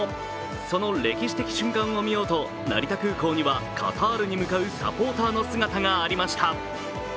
その歴史的瞬間を見ようと成田空港にはカタールに向かうサポーターの姿がありました。